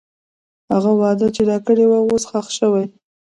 هغه وعده چې راکړې وه، اوس ښخ شوې.